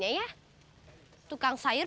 dia belingkirngin tepatnya itu